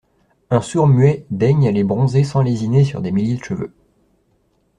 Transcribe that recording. Un sourd-muet daigne aller bronzer sans lésiner sur des milliers de cheveux.